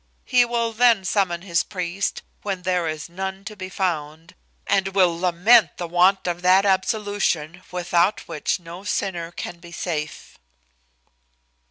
He will then summon his priest, when there is none to be found, and will lament the want of that absolution, without which no sinner can be safe."